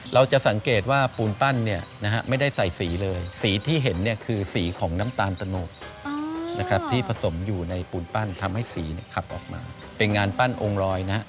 เราจะสังเกตว่าปูนปั้นเนี่ยนะฮะไม่ได้ใส่สีเลยสีที่เห็นเนี่ยคือสีของน้ำตาลตะโนกนะครับที่ผสมอยู่ในปูนปั้นทำให้สีขับออกมาเป็นงานปั้นองค์รอยนะ